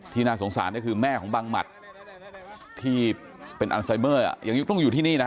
น่าสงสารก็คือแม่ของบังหมัดที่เป็นอันไซเมอร์ยังต้องอยู่ที่นี่นะ